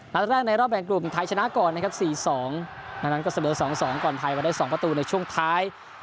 แล้วแรกในรอบแหล่งกลุ่มไทยชนะก่อนนะครับสี่สองดังนั้นก็เสมอสองสองก่อนไทยมาได้สองประตูในช่วงท้าย